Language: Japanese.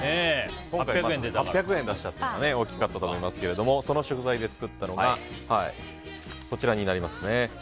今回８００円出したのが大きかったと思いますがその食材で作ったのがこちらになりますね。